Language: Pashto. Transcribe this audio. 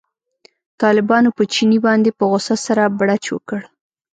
طالبانو په چیني باندې په غوسه سره بړچ وکړ.